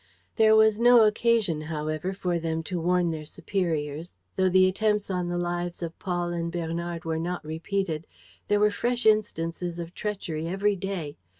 There was no occasion, however, for them to warn their superiors. Though the attempts on the lives of Paul and Bernard were not repeated, there were fresh instances of treachery every day.